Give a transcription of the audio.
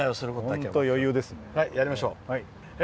はい、やりましょう。